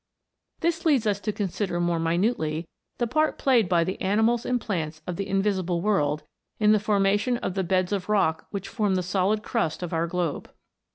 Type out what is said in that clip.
This leads us to consider more minutely the part played by the animals and plants of the invisible world in the formation of the beds of rock which form the solid crust of our globe.